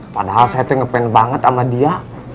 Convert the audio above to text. padahal saya tuh nge fan banget sama dia